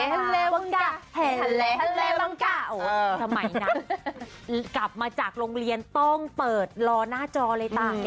หันเลวงกะหันเลวงกะอ๋อสมัยนั้นกลับมาจากโรงเรียนต้องเปิดรอหน้าจอเลยต่าง